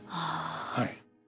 はい。